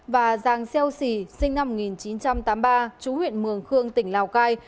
và giàng xeo sì sinh năm một nghìn chín trăm tám mươi ba chú huyện mường khương tỉnh lào cai